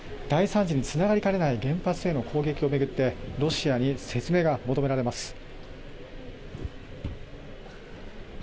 大惨事につながりかねない原発への攻撃を巡ってロシアに説明が求められます。